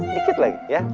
sedikit lagi ya